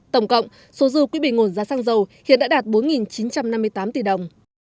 tổng cộng số dư quỹ bình ổn giá xăng dầu hiện đã đạt bốn chín trăm năm mươi tám tỷ đồng